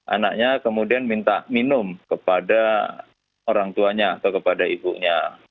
anaknya kemudian minta minum kepada orang tuanya atau kepada ibunya